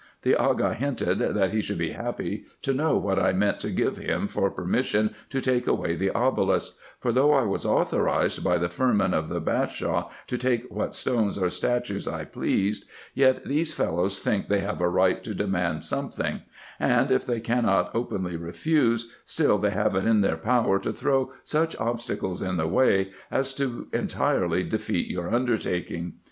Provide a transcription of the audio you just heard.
The Aga hinted, that he should be happy to know what I meant to give him for permission to take away the obelisk ; for though I was authorised by the firman of the Bashaw to take what stones or statues I pleased, yet these fellows think they have a right to demand some thing ; and if they cannot openly refuse, still they have it in their power to throw such obstacles in the way, as to entirely defeat your undertaking.